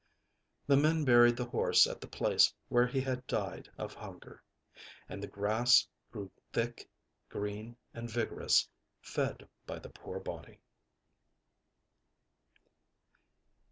â The men buried the horse at the place where he had died of hunger. And the grass grew thick, green and vigorous, fed by the poor body.